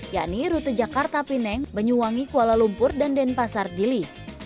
yakni rute jakarta pineng banyuwangi kuala lumpur dan denpasar dili